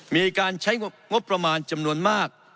มีการใช้งบประมาณจำนวนมาก